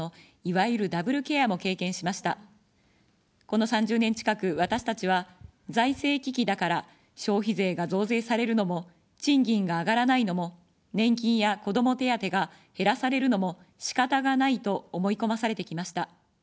この３０年近く、私たちは、財政危機だから消費税が増税されるのも、賃金が上がらないのも、年金や子ども手当が減らされるのもしかたがないと思い込まされてきました。